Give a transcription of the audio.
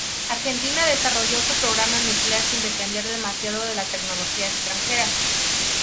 Argentina desarrolló su programa nuclear sin depender demasiado de la tecnología extranjera.